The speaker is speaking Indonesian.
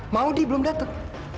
maudie belum datang